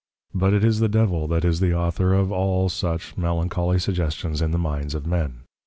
But it is the Devil that is the Author of all such Melancholly Suggestions in the minds of men.